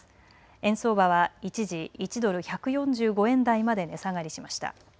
円相場は一時１ドル１４５円台まで値下がりしました。